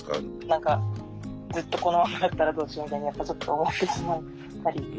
何かずっとこのまんまだったらどうしようみたいにやっぱちょっと思ってしまったり。